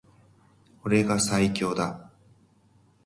俺が最強だ